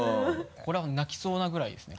これは泣きそうなぐらいですね。